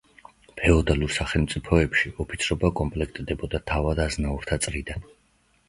ფეოდალურ სახელმწიფოებში ოფიცრობა კომპლექტდებოდა თავად-აზნაურთა წრიდან.